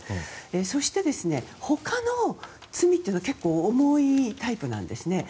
そして、ほかの罪というのは結構、重いタイプなんですね。